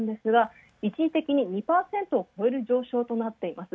一時的に２％を超える上昇となりました。